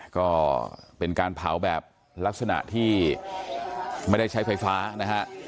ก็เป็นการเผาแบบลักษณะที่ไม่ได้ใช้ไฟฟ้านะฮะ